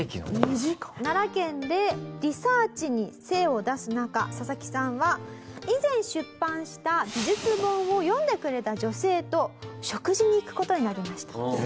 奈良県でリサーチに精を出す中ササキさんは以前出版した美術本を読んでくれた女性と食事に行く事になりました。